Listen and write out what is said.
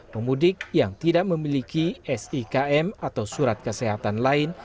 pemudik yang tidak memiliki sikm atau surat kesehatan lain